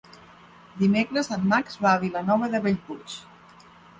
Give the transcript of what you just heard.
Dimecres en Max va a Vilanova de Bellpuig.